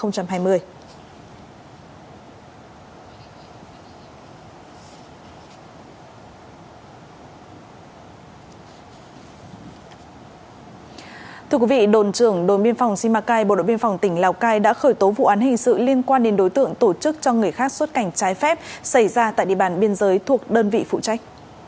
thưa quý vị đồn trưởng đồn biên phòng simacai bộ đội biên phòng tỉnh lào cai đã khởi tố vụ án hình sự liên quan đến đối tượng tổ chức cho người khác xuất cảnh trái phép xảy ra tại địa bàn biên giới thuộc đơn vị phụ trách